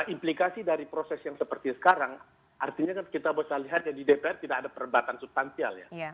implikasi dari proses yang seperti sekarang artinya kan kita bisa lihat ya di dpr tidak ada perdebatan substansial ya